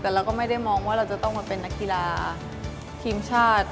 แต่เราก็ไม่ได้มองว่าเราจะต้องมาเป็นนักกีฬาทีมชาติ